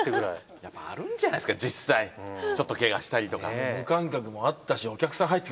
でもあるんじゃないっすか実際ちょっとケガしたりとか。